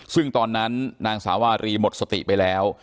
ซึ่งตอนนั้นนางสาวารีหมดสติไปแล้ว